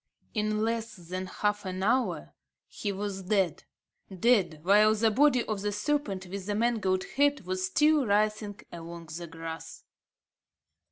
In less than half an hour, he was dead, dead, while the body of the serpent with the mangled head was still writhing along the grass.